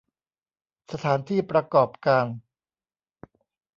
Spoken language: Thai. สถานที่ประกอบการ